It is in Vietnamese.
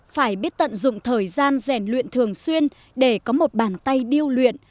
phải biết tận dụng thời gian rèn luyện thường xuyên để có một bàn tay điêu luyện